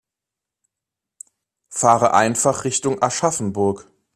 Fahre einfach Richtung Aschaffenburg